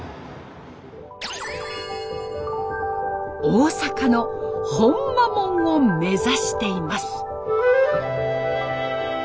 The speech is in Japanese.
大阪の「ほんまもん」を目指しています。